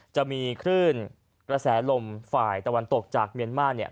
จะมีคลื่นกระแสลมฝ่ายตะวันตกจากเมียนมาร์เนี่ย